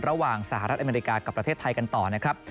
สหรัฐอเมริกากับประเทศไทยกันต่อนะครับ